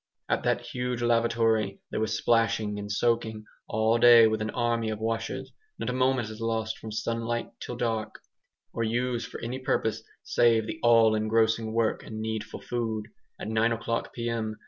At that huge lavatory there was splashing and soaking all day with an army of washers; not a moment is lost from daylight till dark, or used for any purpose save the all engrossing work and needful food. At nine o'clock p.m.